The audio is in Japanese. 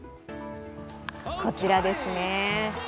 こちらですね。